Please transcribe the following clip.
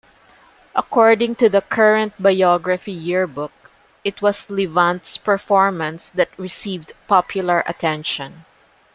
According to the "Current Biography Yearbook", it was Levant's performance that "received popular attention.